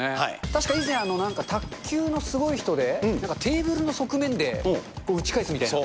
確か以前、なんか卓球のすごい人で、なんかテーブルの側面で、打ち返すみたいな。